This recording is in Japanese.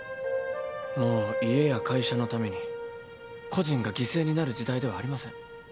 もう家や会社のために個人が犠牲になる時代ではありません。